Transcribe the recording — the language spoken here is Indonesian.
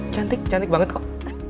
cantik cantik banget kok